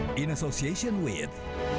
tapi sekarang sudah berakhir